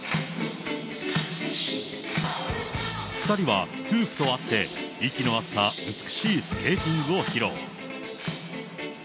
２人は夫婦とあって、息の合った美しいスケーティングを披露。